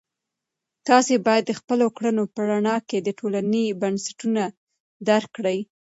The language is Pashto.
تاسې باید د خپلو کړنو په رڼا کې د ټولنې بنسټونه درک کړئ.